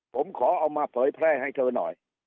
ผมขอเอามาเผยแพร่ให้เธอหน่อย